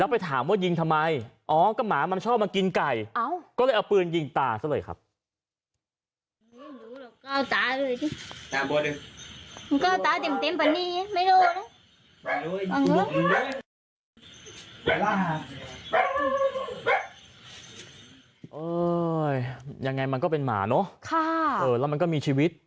เอ่อยังไงมันก็เป็นหมาเนอะค่ะเออแล้วมันก็มีชีวิต